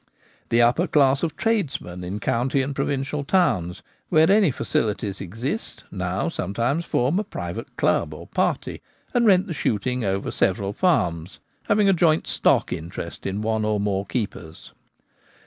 The upper class of tradesmen in county and provincial towns where any facilities exist now sometimes form a private club or party and rent the shooting over several farms, having a joint stock interest in one or more keepers.